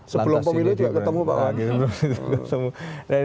sebelum pembuluh itu ketemu pak wawan